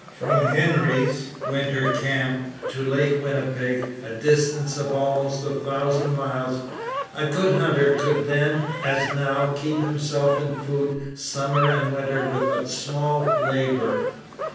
From Hendry's winter camp to Lake Winnipeg, a distance of almost a thousand miles, a good hunter could then, as now, keep himself in food summer and winter with but small labour.